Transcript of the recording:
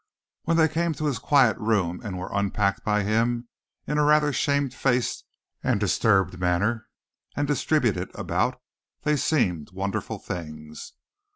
When they came to his quiet room and were unpacked by him in a rather shamefaced and disturbed manner and distributed about, they seemed wonderful things.